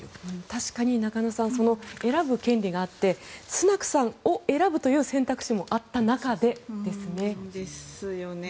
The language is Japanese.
確かに中野さんその選ぶ権利があってスナクさんを選ぶという選択肢もあった中でということですね。ですよね。